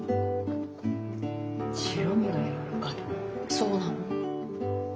そうなの。